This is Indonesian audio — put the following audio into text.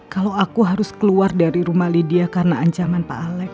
kalau aku harus keluar dari rumah lydia karena ancaman pak alex